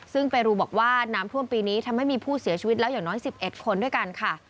ซึ่งเปรูบอกว่าน้ำท่วมปีนี้ทำให้มีผู้เสียชีวิตแล้วอย่างน้อย๑๑คนด้วยกันค่ะ